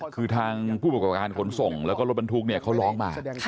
คือทางผู้บริการขนส่งและการลดบันทุกษ์เขาร้องมา